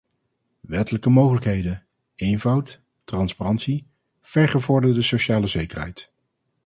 Wettelijke mogelijkheden, eenvoud, transparantie, vergevorderde sociale zekerheid.